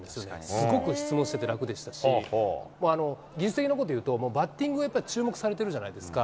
すごく質問してて楽でしたし、技術的なこというと、バッティング、やっぱ注目されてるじゃないですか。